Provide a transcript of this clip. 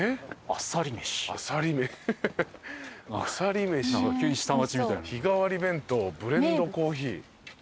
「あさりめし日替わり弁当ブレンドコーヒー」